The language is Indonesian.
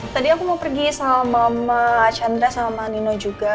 tadi aku mau pergi sama candra sama nino juga